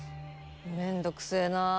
めんどくせえなあ。